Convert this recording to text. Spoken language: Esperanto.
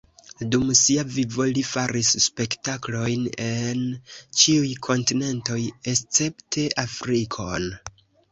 Dum sia vivo li faris spektaklojn en ĉiuj kontinentoj escepte Afrikon.